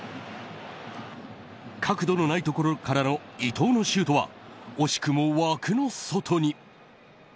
角度のないところからの伊東のシュートは惜しくも枠の外に。